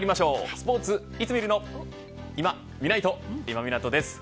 スポーツいつ見るのいま、みないと今湊です。